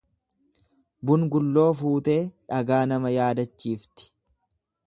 Bungulloo fuutee dhagaa nama yaadachiifti.